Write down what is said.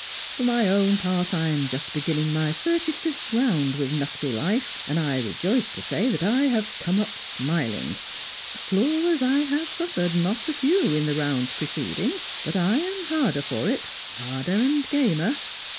"For my own part I am just beginning my thirty fifth round with knuckly life, and I rejoice to say that I have come up smiling. Floorers I have suffered, not a few, in the rounds preceding, but I am harder for it, harder and gamer."